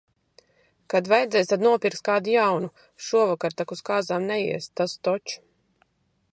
Kad vajadzēs, tad nopirks kādu jaunu. Šovasar tak uz kāzām neies, tas toč.